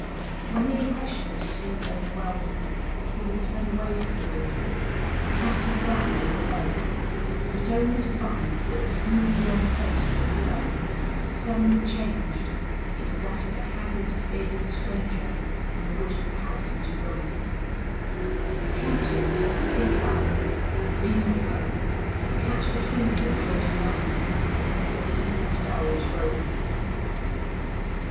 When the impression was too over¬ whelming he would turn away from the window and cast his glance on the bed; but only to find that the [ 290 ] A SON AT THE FRONT smooth young face on the pillow had suddenly changed into that of the haggard bearded stranger on the wooden pallet at Doullens. And Camp ton would have to get up, lean over, and catch the twinkle in George's eyes before the evil spell was broken.